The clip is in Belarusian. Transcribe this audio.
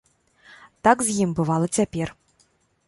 Так з ім бывала цяпер.